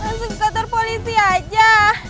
langsung ke kantor polisi aja